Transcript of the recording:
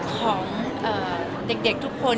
ของเด็กทุกคน